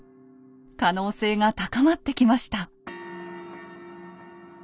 可能性が高まってきました。